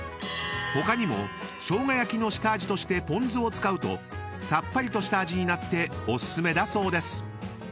［他にもしょうが焼きの下味としてぽん酢を使うとさっぱりとした味になってお薦めだそうです］